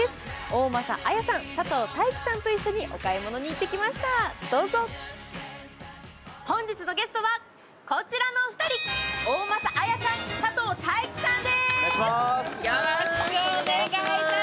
大政絢さん、佐藤大樹さんと一緒にお買い物に行ってきました、どうぞ本日のゲストは、こちらのお二人大政絢さん、佐藤大樹さんです。